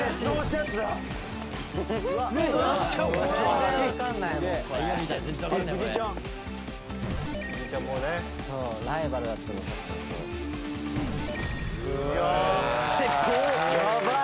「やばい！」